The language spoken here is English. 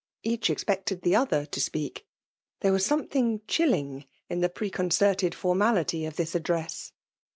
Each expected the other to speak. There was some thing chilling in the preconcerted formality of this address.